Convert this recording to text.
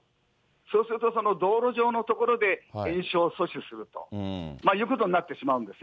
そうすると、道路上のところで延焼を阻止するということになってしまうんです